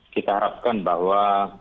kita harapkan bahwa